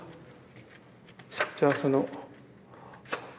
じゃあその。